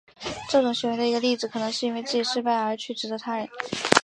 这种行为的一个例子可能是因为自己失败而去指责他人。